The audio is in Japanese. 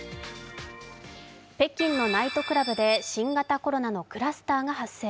北京のナイトクラブで新型コロナのクラスターが発生。